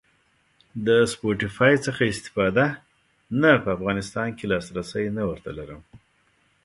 د سپوټیفای څخه استفاده؟ نه په افغانستان کی لاسرسی نه ور ته لرم